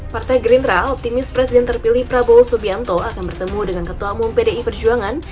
partai gerindra optimis presiden terpilih prabowo subianto akan bertemu dengan ketua umum pdi perjuangan